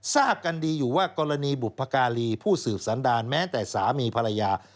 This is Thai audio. ทราบกันดีอยู่ว่ากรณีบุพการีผู้สืบสันดารแม้แต่สามีภรรยา